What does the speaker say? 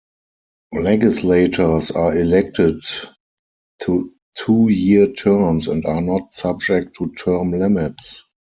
Legislators are elected to two-year terms and are not subject to term limits.